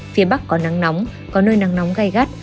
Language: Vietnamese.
phía bắc có nắng nóng có nơi nắng nóng gai gắt